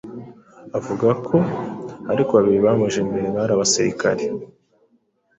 Avuga ko ariko babiri bamuje imbere bari abasirikare,